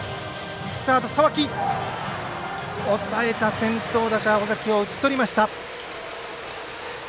先頭打者、尾崎を打ち取りました。